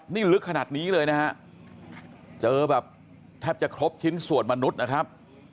นี่ลึกขนาดนี้เลยนะฮะเจอแบบแทบจะครบชิ้นส่วนมนุษย์นะครับ